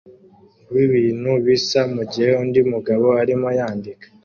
wibintu bisa mugihe undi mugabo arimo yandika